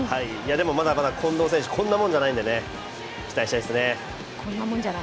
まだまだ近藤選手こんなもんじゃないですから期待したいですね。